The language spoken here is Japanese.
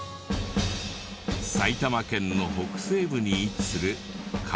埼玉県の北西部に位置する神川町。